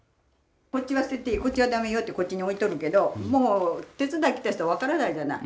こっちは捨てていいこっちはダメよってこっちに置いとるけど手伝い来た人は分からないじゃない。